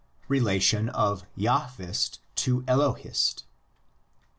RELATION OF JAHVIST TO ELOHIST.